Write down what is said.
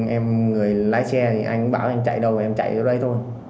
em gửi lái xe anh bảo em chạy đâu em chạy ở đây thôi